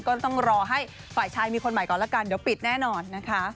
ก็ต้องรอให้ฝ่ายชายมีคนใหม่ก่อนละกันเดี๋ยวปิดแน่นอนนะคะ